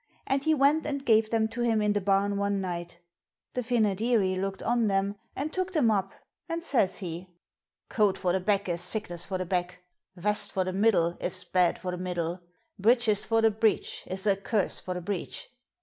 And he went and gave them to him in the barn one night. The Fynoderee looked on them and took them up, and says he: Coat for the back is sickness for the back! Vest for the middle is bad for the middle! Breeches for the breech is a curse for the breech!